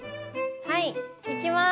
はいいきます！